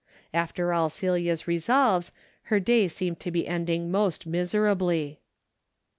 After all Celia's resolves, her day seemed to be ending most miserably.